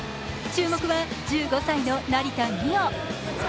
注目は１５歳の成田実生。